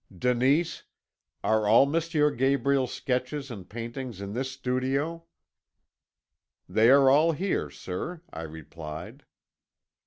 Denise, are all M. Gabriel's sketches and paintings in this studio?' "'They are all here, sir,' I replied.